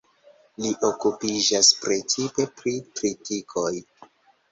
Li okupiĝas precipe pri tritikoj.